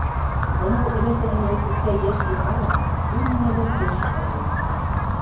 Баныу өләсәһенән күпкә йәш булһа ла, ул ниңәлер йыш ауырый.